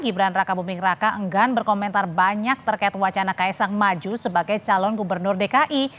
gibran raka buming raka enggan berkomentar banyak terkait wacana kaisang maju sebagai calon gubernur dki